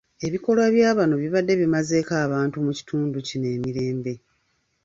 Ebikolwa bya bano bibadde bimazeeko abantu mu kitundu kino emirembe.